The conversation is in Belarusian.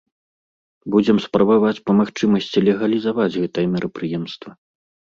Будзем спрабаваць па магчымасці легалізаваць гэтае мерапрыемства.